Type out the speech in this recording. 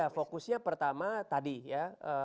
fokusnya pertama tadi ya